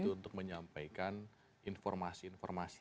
untuk menyampaikan informasi informasi